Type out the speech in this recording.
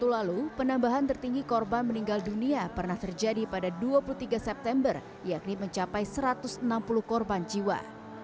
dua puluh lalu penambahan tertinggi korban meninggal dunia pernah terjadi pada dua puluh tiga september yakni mencapai satu ratus enam puluh korban jiwa